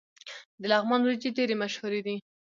د لغمان وریجې ډیرې مشهورې دي.